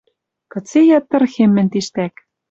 Кыце йӓ тырхем мӹнь тиштӓк?